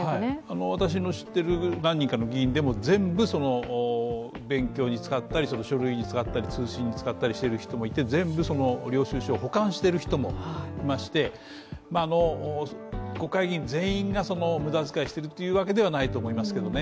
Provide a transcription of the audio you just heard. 私の知ってる何人かの議員も全部、勉強に使ったり書類に使ったり通信に使ったりして、全部、領収書を保管している人もいまして、国会議員全員が無駄遣いしているというわけではないと思うんですけどね。